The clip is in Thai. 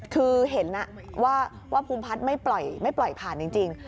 คือเห็นว่าภูมิพัฒน์ไม่ปล่อยผ่านจริง